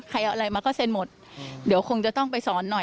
อะไรมาก็เซ็นหมดเดี๋ยวคงจะต้องไปสอนหน่อย